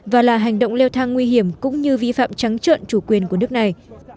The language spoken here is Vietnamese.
và là hành động leo thang nguy hiểm cũng như vi phạm trắng trợn chủ quyền của nước này